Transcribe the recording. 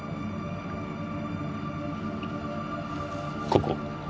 ここ。